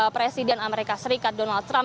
presiden amerika serikat donald trump